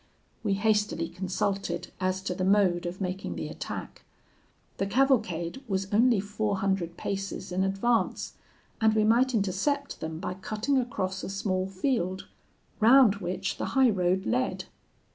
"We hastily consulted as to the mode of making the attack. The cavalcade was only four hundred paces in advance, and we might intercept them by cutting across a small field, round which the high road led.